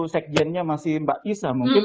sekjennya masih mbak kisah mungkin